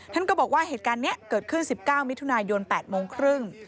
ท่านก็บอกว่าเหตุการณ์นี้เกิดขึ้น๑๙มิถุนายน๘โมงครึ่ง